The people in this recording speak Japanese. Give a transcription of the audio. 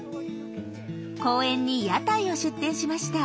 公園に屋台を出店しました。